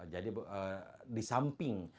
jadi di samping